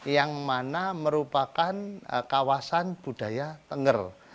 yang mana merupakan kawasan budaya tengger